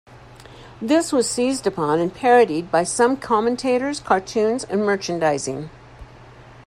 This was seized upon and parodied by some commentators, cartoons, and merchandising.